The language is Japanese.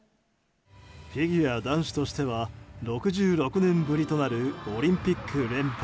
フィギュア男子としては６６年ぶりとなるオリンピック連覇。